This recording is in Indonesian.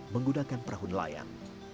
menggunakan perahu nelayan